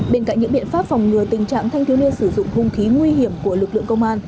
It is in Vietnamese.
bên cạnh những biện pháp phòng ngừa tình trạng thanh thiếu niên sử dụng hung khí nguy hiểm của lực lượng công an